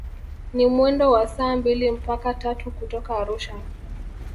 Ni mwendo wa saa mbili mpaka tatu kutoka Arusha